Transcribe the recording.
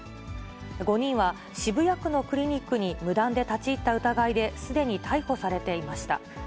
５人は、渋谷区のクリニックに無断で立ち入った疑いですでに逮捕されていました。